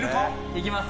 いきます！